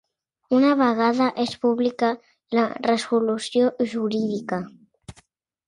Una vegada es publica la resolució jurídica.